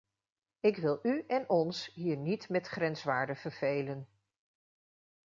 Ik wil u en ons hier niet met grenswaarden vervelen.